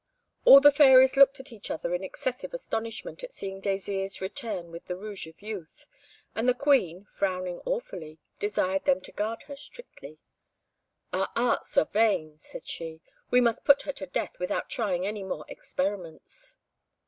All the fairies looked at each other in excessive astonishment at seeing Désirs return with the Rouge of Youth, and the Queen, frowning awfully, desired them to guard her strictly. "Our arts are vain," said she. "We must put her to death, without trying any more experiments."